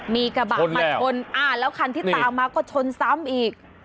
มีกระบะมาชนแล้วคันที่ตามมาก็ชนซ้ำอีก